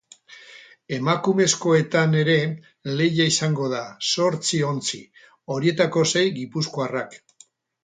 Emakumezkoetan ere lehia izango da, zortzi ontzi, horietariko sei gipuzkoarrak.